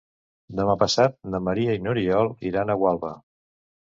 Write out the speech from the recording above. Demà passat na Maria i n'Oriol iran a Gualba.